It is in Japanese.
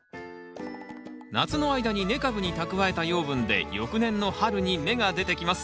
夏の間に根株に蓄えた養分で翌年の春に芽が出てきます。